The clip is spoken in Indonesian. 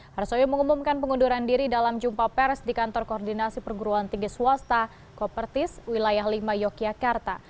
harsoyo mengumumkan pengunduran diri dalam jumpa pers di kantor koordinasi perguruan tinggi swasta kopertis wilayah lima yogyakarta